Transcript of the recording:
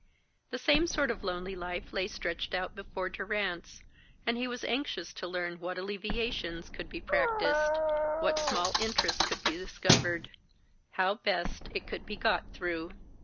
The same sort of lonely life lay stretched out before Durrance, and he was anxious to learn what alleviations could be practised, what small interests could be discovered, how best it could be got through.